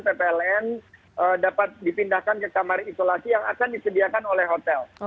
ppln dapat dipindahkan ke kamar isolasi yang akan disediakan oleh hotel